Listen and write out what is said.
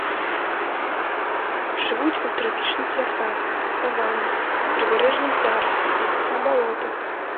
Жывуць у трапічных лясах, саваннах, прыбярэжных зарасніках, на балотах.